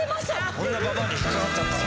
こんなばばあに引っ掛かっちゃったら。